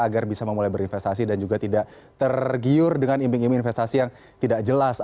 agar bisa memulai berinvestasi dan juga tidak tergiur dengan iming iming investasi yang tidak jelas